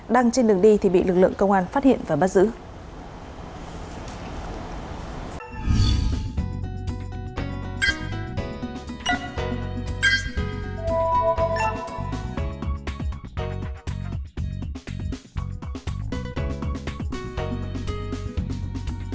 đang trên đường đi thì bị lực lượng công an phát hiện và bắt giữ